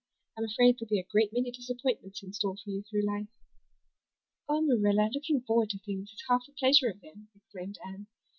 "I'm afraid there'll be a great many disappointments in store for you through life." "Oh, Marilla, looking forward to things is half the pleasure of them," exclaimed Anne.